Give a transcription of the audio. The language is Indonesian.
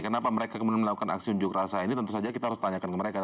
kenapa mereka kemudian melakukan aksi unjuk rasa ini tentu saja kita harus tanyakan ke mereka